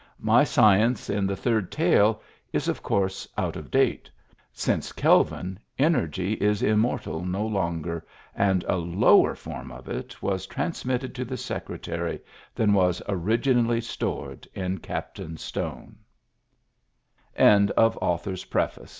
My science in the third tale is of course out of date ; since Kelvin, energy is im mortal no longer, and a lower form of it was transmitted to the Secretary than was originally store